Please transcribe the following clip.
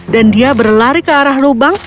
dan dia berlari ke arah rumah